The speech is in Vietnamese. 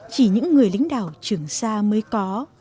chỉ những người lính đảo trường sa mới có